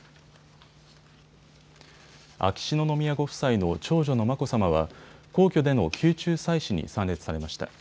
秋篠宮ご夫妻の長女の眞子さまは皇居での宮中祭祀に参列されました。